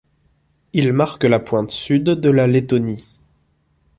Il marque la pointe sud de la letonie.